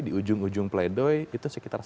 di ujung ujung pledoi itu sekitar